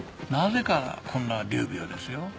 なぜかこんな劉備をですよ